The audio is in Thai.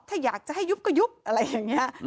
ถ้าอยากจะให้ยุบก็ยุบอะไรอย่างนี้